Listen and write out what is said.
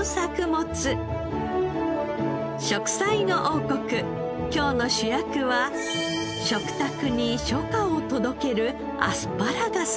『食彩の王国』今日の主役は食卓に初夏を届けるアスパラガスです。